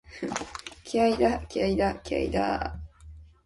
気合いだ、気合いだ、気合いだーっ！！！